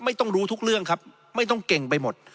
ไม่รู้ทุกเรื่องครับไม่ต้องเก่งไปหมด